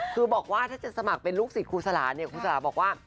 คือบอกว่าถ้าจะสมัครเป็นลูกศิษย์คุกษลาก็บอกว่า